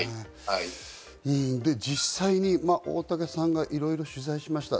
実際に大竹さんがいろいろ取材しました。